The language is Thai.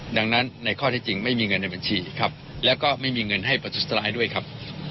ดังนั้นในข้อที่จริงไม่มีเงินในบัญชีครับแล้วก็ไม่มีเงินให้ประชุดสร้ายด้วยครับ